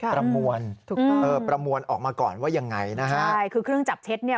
ประมวลประมวลออกมาก่อนว่ายังไงนะฮะใช่คือเครื่องจับเท็จนี่